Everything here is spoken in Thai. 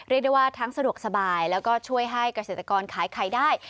เรียกได้ว่าทั้งสะดวกสบายแล้วก็ช่วยให้เกษตรกรขายไข่ได้